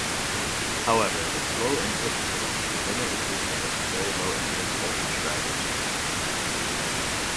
However, its low input impedance would limit its usefulness to very low-impedance voltage drivers.